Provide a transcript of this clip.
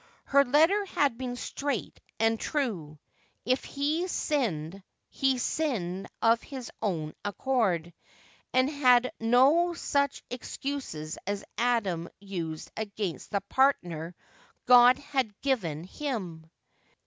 Her letter had been straight and true. If he sinned, he sinned of his own accord, and had no such excuses as Adam used against the partner God had given him.